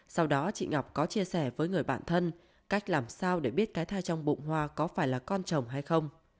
sau đó chị ngọc có chia sẻ với người bản thân cách làm sao để biết cái thai trong bụng hoa có phải là con chồng hay không